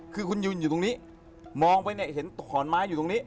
คือคุณยืนอยู่ตรงนี้มองไปเนี่ยเห็นขอนไม้อยู่ตรงนี้